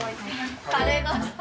カレーがさ。